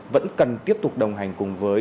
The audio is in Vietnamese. vẫn cần tiếp tục đồng hành cùng với